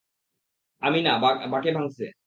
আমি না, বাকে ভাঙসে।